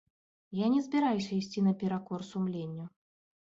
Я не збіраюся ісці наперакор сумленню.